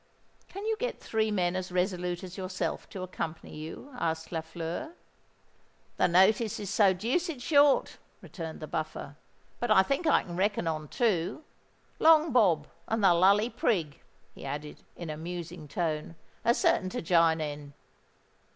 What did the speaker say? "Can you get three men as resolute as yourself to accompany you?" asked Lafleur. "The notice is so deuced short," returned the Buffer; "but I think I can reckon on two. Long Bob and the Lully Prig," he added, in a musing tone, "are certain to jine in."